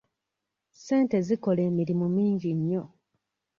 Ssente zikola emirimu mingi nnyo.